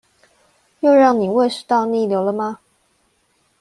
又讓你胃食道逆流了嗎？